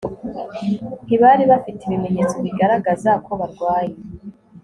ntibari bafite ibimenyetso bigaragaza ko barwaye